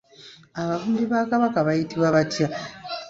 Ababumbi ba Kabaka bayitibwa batya?